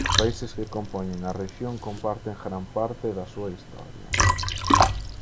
Os países que compoñen a rexión comparten gran parte da súa historia.